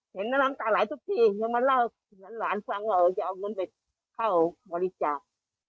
เห็นน้ำตาไหลทุกทีมาเล่าหลานจะเอาเงินไปเข้าบริจาค